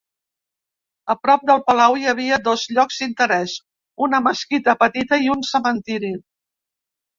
A prop del palau hi havia dos llocs d'interès, una mesquita petita i un cementiri.